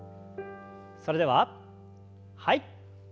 それでははい。